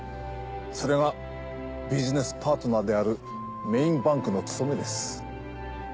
それがビジネスパートナーであるメインバンクの務めです。